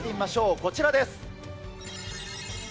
こちらです。